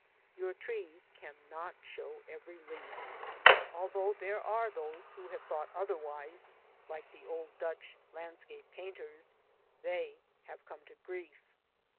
Your trees cannot show every leaf. Although there are those who have thought otherwise, like the old Dutch landscape painters, they have come to grief.